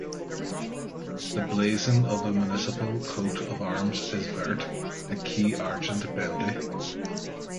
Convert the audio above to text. The blazon of the municipal coat of arms is Vert, a key Argent bendy.